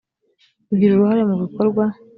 kugira uruhare mu bikorwa